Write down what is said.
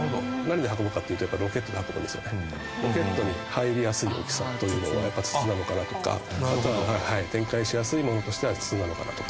ロケットに入りやすい大きさというのはやっぱり筒なのかなとか展開しやすいものとしては筒なのかなとか。